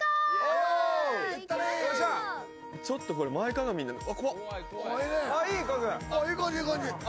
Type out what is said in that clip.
ちょっと前かがみになる。